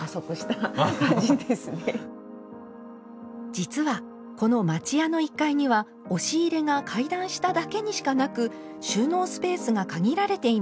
実はこの町家の１階には押し入れが階段下だけにしかなく収納スペースが限られています。